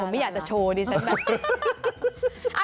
อะผมไม่อยากจะโชว์ดิฉันแบบ